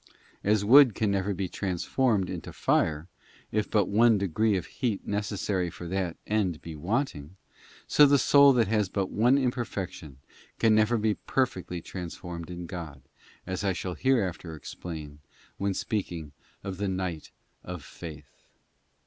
As wood can never be transformed into fire if but one degree of heat necessary for that end be wanting, so the soul that has but one imperfec tion can never be perfectly transformed in God, as I shall hereafter explain when speaking of the Night of Faith.